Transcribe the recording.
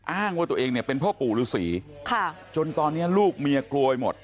อ้างว่าตัวเองเนี้ยเป็นพ่อปู่ฤษฎีค่ะจนตอนแม่ลูกเกาใหม่หมด